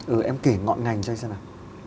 ừ em kể ngọn ngành cho anh xem nào